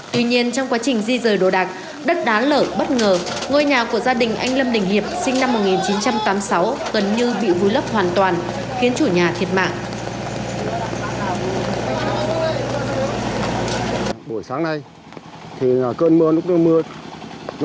tuy nhiên trong quá trình di rời đồ đạc đất đá lở bất ngờ